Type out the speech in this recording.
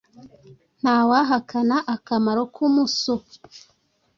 Nta wahakana akamaro k'umuso